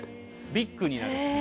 ビッグになる。